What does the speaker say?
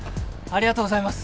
ありがとうございます。